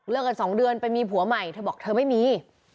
กัน๒เดือนไปมีผัวใหม่เธอบอกเธอไม่มี